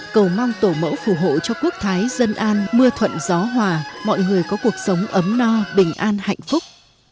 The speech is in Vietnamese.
cầu mong tổ mẫu phù hộ cho quốc thái dân an mưa thuận gió hòa mọi người có cuộc sống ấm no bình an hạnh phúc